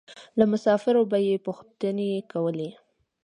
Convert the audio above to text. له مسافرو به یې پوښتنې کولې.